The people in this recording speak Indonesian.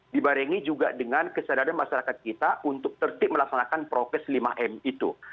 dibarengi juga dengan kesadaran masyarakat kita untuk tertip melaksanakan prokes lima m itu